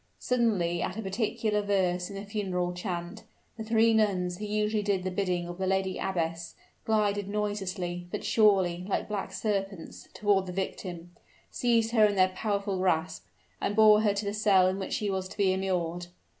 Suddenly at a particular verse in the funeral chant, the three nuns who usually did the bidding of the lady abbess, glided noiselessly but surely, like black serpents toward the victim seized her in their powerful grasp and bore her to the cell in which she was to be immured.